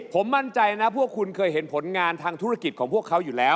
ผมมั่นใจนะพวกคุณเคยเห็นผลงานทางธุรกิจของพวกเขาอยู่แล้ว